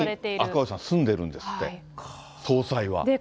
ここに、赤星さん、住んでるんですって、総裁は。